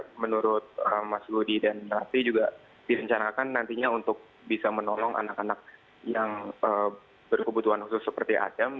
sudah menurut mas ludi dan rati juga direncanakan nantinya untuk bisa menolong anak anak yang berkebutuhan khusus seperti adam